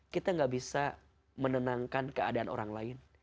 kita gak bisa menenangkan keadaan orang lain